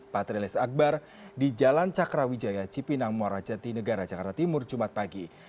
patrialis akbar di jalan cakra wijaya cipinang morajati negara jakarta timur jumat pagi